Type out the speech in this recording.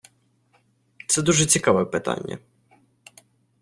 Це дуже цікаве питання.